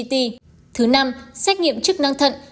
thứ năm xách nghiệm chức năng thận